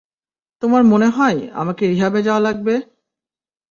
তোমার মনে হয় আমাকে রিহ্যাবে যাওয়া লাগবে?